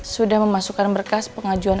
sudah memasukkan berkas pengajuan